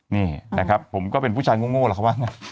นี่นะครับผมก็เป็นผู้ชายโง่แหละครับว่านะ